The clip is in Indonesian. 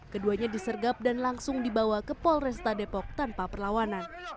keduanya disergap dan langsung dibawa ke polresta depok tanpa perlawanan